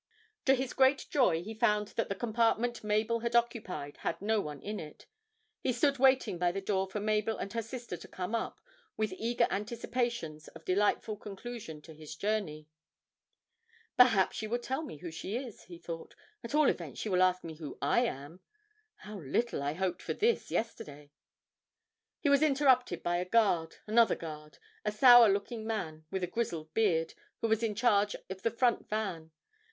To his great joy he found that the compartment Mabel had occupied had no one in it; he stood waiting by the door for Mabel and her sister to come up, with eager anticipations of a delightful conclusion to his journey. 'Perhaps she will tell me who she is,' he thought; 'at all events she will ask me who I am. How little I hoped for this yesterday!' He was interrupted by a guard another guard, a sour looking man with a grizzled beard, who was in charge of the front van.